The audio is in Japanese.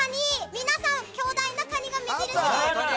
皆さん、巨大なカニが目印です。